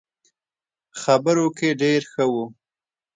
خبرو کې ډېر ښه وو.